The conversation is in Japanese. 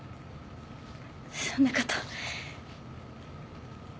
そんなこと。